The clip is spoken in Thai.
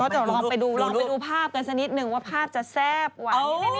เราจะลองไปดูภาพกันสักนิดหนึ่งว่าภาพจะแซ่บหวาน